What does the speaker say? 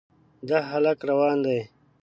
دا هلک روان دی.